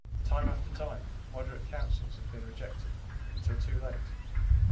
Time after time moderate counsels have been rejected until too late.